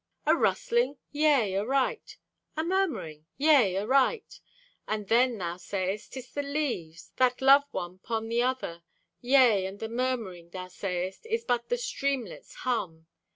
A rustling? Yea, aright! A murmuring? Yea, aright! Ah, then, thou sayest, 'tis the leaves That love one 'pon the other. Yea, and the murmuring, thou sayest, Is but the streamlet's hum.